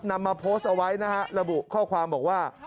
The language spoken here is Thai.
นำมาโพสต์เอาไว้นะฮะระบุข้อความบอกว่า